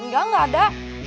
enggak enggak ada